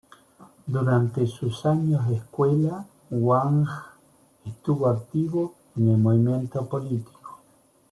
Durante sus años de escuela, Wang estuvo activo en el movimiento político.